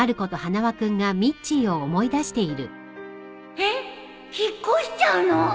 えっ引っ越しちゃうの？